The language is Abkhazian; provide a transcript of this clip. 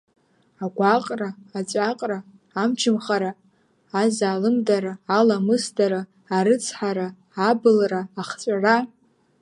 Агәаҟра, аҵәаҟра, амчымхара, азаалымдара, аламысдара, арыцҳара, абылра, ахҵәара…